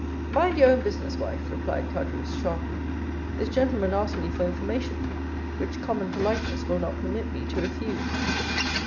"Mind your own business, wife," replied Caderousse sharply. "This gentleman asks me for information, which common politeness will not permit me to refuse."